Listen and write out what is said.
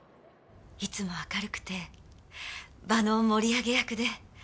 いつも明るくて場の盛り上げ役で。